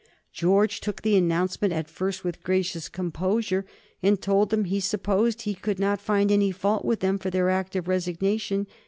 George took the announcement at first with gracious composure, and told them he supposed he could not find any fault with them for their act of resignation.